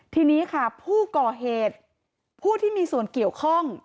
ทีนี้ค่ะผู้ก่อเหตุผู้ที่มีส่วนเกี่ยวข้อง